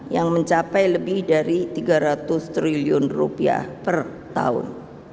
yang mencapai lebih dari tiga ratus triliun rupiah per tahun